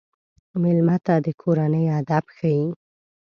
مېلمه ته د کورنۍ ادب ښيي.